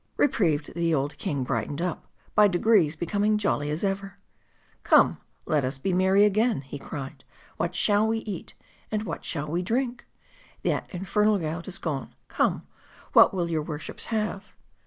Reprieved, the old king brightened up ; by degrees be coming jolly as ever. " Come ! let us be merry again," he cried, lt what shall we eat ? and what shall we drink ? that infernal gout is gone ; come, what will your worships have